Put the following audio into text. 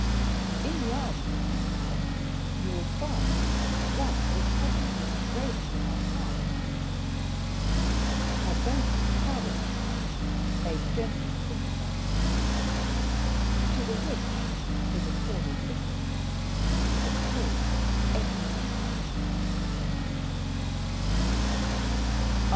In the arms of my house you will find that which Heaven has engraven on my heart Habenti parum, egenti cuncta. 'To the rich is accorded little, to the poor everything.